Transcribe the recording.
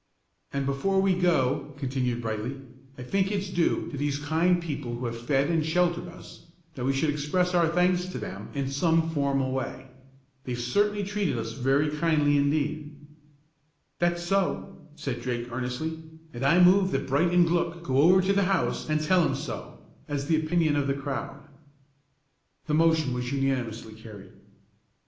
"And before we go," continued Brightly, "I think it's due to these kind people who have fed and sheltered us, that we should express our thanks to them in some formal way. They've certainly treated us very kindly indeed." "That's so," said Drake, earnestly; "and I move that Bright and Glück go over to the house an' tell 'em so, as the opinion of the crowd." The motion was unanimously carried.